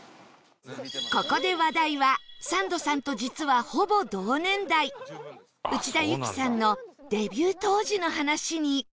ここで話題はサンドさんと実はほぼ同年代内田有紀さんのデビュー当時の話に